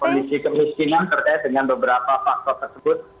kondisi kemiskinan terkait dengan beberapa faktor tersebut